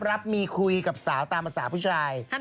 รับมีคุยกับสาวตามภาษาผู้ชาย